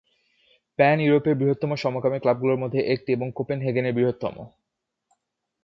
Pan ইউরোপের বৃহত্তম সমকামী ক্লাবগুলির মধ্যে একটি এবং কোপেনহেগেনের বৃহত্তম।